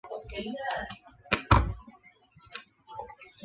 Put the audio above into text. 其中愉翠苑占整区人口的大约三分之二。